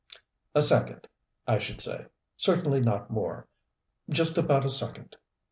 "A second, I should say. Certainly not more. Just about a second."